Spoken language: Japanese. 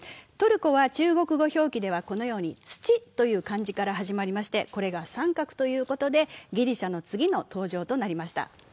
トルコは中国語表記では「土」という表記から始まりまして、これが３画ということでギリシャの次の登場となりました。